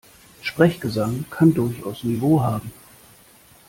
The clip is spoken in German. Sprechgesang kann durchaus Niveau haben.